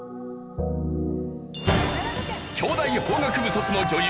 京大法学部卒の女優